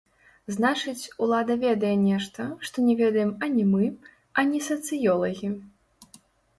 Значыць, улада ведае нешта, што не ведаем ані мы, ані сацыёлагі.